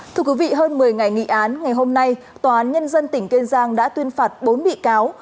thưa quý vị hơn một mươi ngày nghị án ngày hôm nay tòa án nhân dân tỉnh kiên giang đã tuyên phạt bốn bị cáo